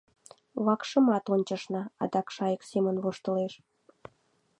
— Вакшымат ончышна, — адак Шайык Семон воштылеш.